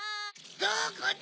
どこだ？